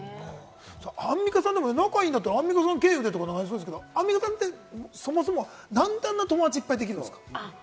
アンミカさんとか仲いいんだったらアンミカさん経由とか、アンミカさんってそもそも、なんであんな友達いっぱいできるんですか？